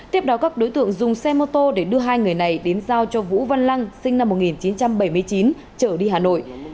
hồng tô để đưa hai người này đến giao cho vũ văn lăng sinh năm một nghìn chín trăm bảy mươi chín trở đi hà nội